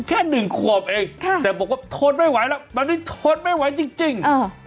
แค่หนึ่งขวบเองแต่บอกว่าทนไม่ไหวแล้วแบบนี้ทนไม่ไหวจริง